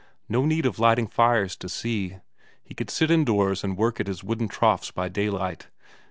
No need of lighting fires to see; he could sit indoors and work at his wooden troughs by daylight.